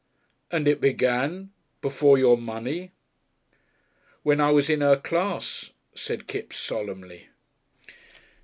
"And it began before your money?" "When I was in 'er class," said Kipps, solemnly.